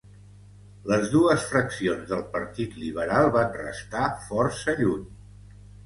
Les dues fraccions del Partit Liberal van restar força lluny.